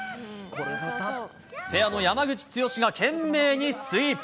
ペアの山口剛史が懸命にスイープ。